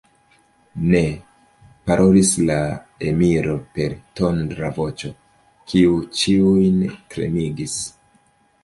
Ne! parolis la emiro per tondra voĉo, kiu ĉiujn tremigis.